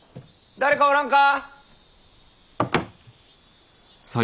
誰かおらんか！